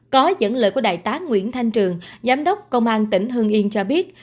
có dẫn lời của đại tá nguyễn thanh trường giám đốc công an tỉnh hương yên cho biết